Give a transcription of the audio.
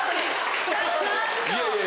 いやいや。